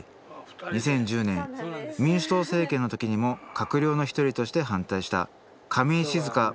２０１０年民主党政権の時にも閣僚の一人として反対した事実婚夫婦？